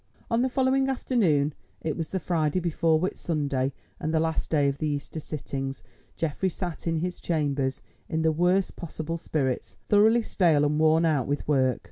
On the following afternoon—it was the Friday before Whit Sunday, and the last day of the Easter sittings—Geoffrey sat in his chambers, in the worst possible spirits, thoroughly stale and worn out with work.